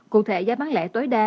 cụ thể giá bán lẻ tối đa